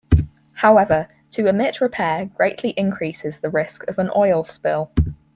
However, to omit repair greatly increases the risk of an oil spill.